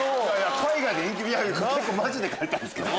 海外で人気結構マジで書いたんですけど。